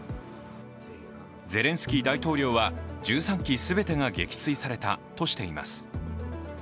ゼレンスキー大統領は１３機全てが撃墜されたとしています。